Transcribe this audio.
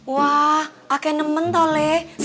wah aku suka toleh